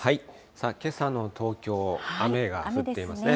さあ、けさの東京、雨が降っていますね。